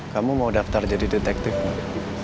kamu mau daftar jadi detektif mas